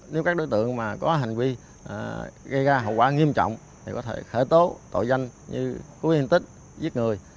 nếu các đối tượng mà có hành vi gây ra hậu quả nghiêm trọng thì có thể khởi tố tội danh như cố ý yên tích giết người